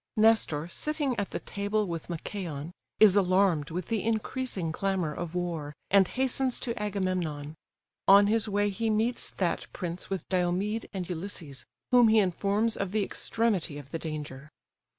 Nestor, sitting at the table with Machaon, is alarmed with the increasing clamour of war, and hastens to Agamemnon; on his way he meets that prince with Diomed and Ulysses, whom he informs of the extremity of the danger.